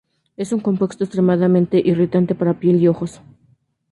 Es un compuesto extremadamente irritante para piel y ojos.